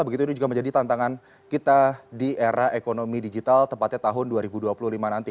begitu ini juga menjadi tantangan kita di era ekonomi digital tepatnya tahun dua ribu dua puluh lima nanti